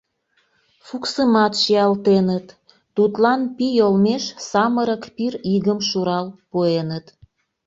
Фуксымат чиялтеныт — тудлан пий олмеш самырык пиригым шурал пуэныт.